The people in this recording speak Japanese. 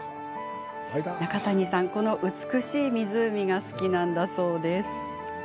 中谷さん、この美しい湖が好きなんだそうです。